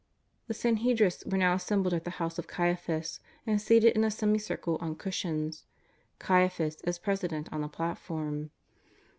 '' The Sanhedrists were now assembled at the house of Caiaphas, and seated in a semi circle on cushions, Caiaphas, as president, on a platform.